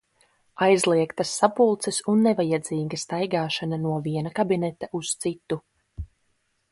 Aizliegtas sapulces un nevajadzīga staigāšana no viena kabineta uz citu.